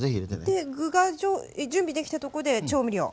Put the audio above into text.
そして具が準備できたところで調味料。